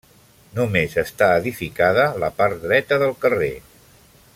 Només està edificada la part dreta del carrer.